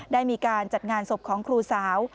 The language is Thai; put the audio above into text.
ได้มีการจัดงานศพของครูสาว